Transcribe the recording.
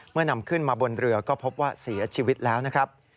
นำขึ้นมาบนเรือก็พบว่าเสียชีวิตแล้วนะครับ